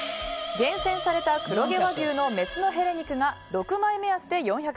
厳選された黒毛和牛のヘレ肉が６枚目安で４００ｇ。